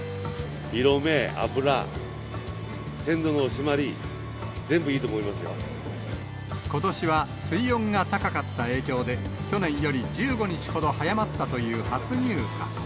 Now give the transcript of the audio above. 色目、脂、鮮度の締まり、ことしは水温が高かった影響で、去年より１５日ほど早まったという初入荷。